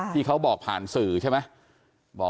ที่เขาบอกผ่านสื่อใช่ไหม